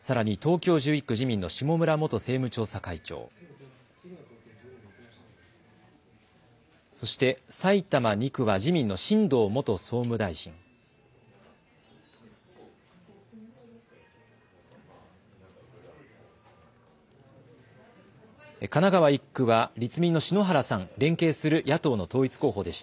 さらに東京１１区、自民の下村元政務調査会長、そして埼玉２区は自民の新藤元総務大臣、神奈川１区は立民の篠原さん、連携する野党の統一候補でした。